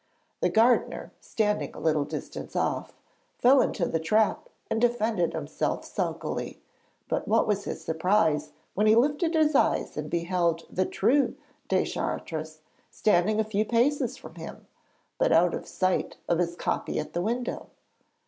The gardener, standing a little distance off, fell into the trap and defended himself sulkily, but what was his surprise when he lifted his eyes and beheld the true Deschartres standing a few paces from him, but out of sight of his copy at the window?